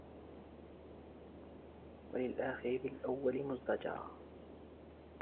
وَلِلْآخِرِ بِالْأَوَّلِ مُزْدَجَرًا